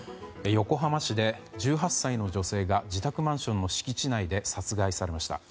横浜市で１８歳の女性が自宅マンションの敷地内で殺害されました。